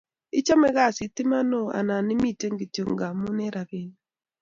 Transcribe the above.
Ichame kaasit iman ooh ana imiten kityok ngamun en rapinik